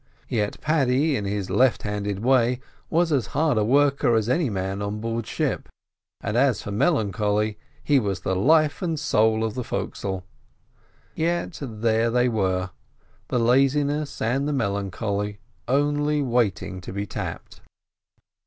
Yet Paddy, in his left handed way, was as hard a worker as any man on board ship; and as for melancholy, he was the life and soul of the fo'cs'le. Yet there they were, the laziness and the melancholy, only waiting to be tapped.